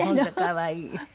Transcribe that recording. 可愛い。